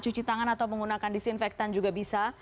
cuci tangan atau menggunakan disinfektan juga bisa